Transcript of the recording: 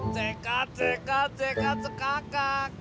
cekak cekak cekak cekakak